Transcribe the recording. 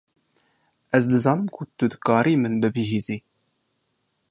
Ez dizanim ku tu dikarî min bibihîsî.